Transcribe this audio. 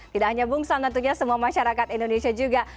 tidak hanya bung sam tentunya semua masyarakat indonesia juga